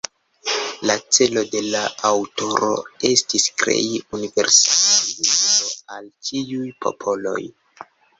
La celo de la aŭtoro estis krei universala lingvo al ĉiuj popoloj.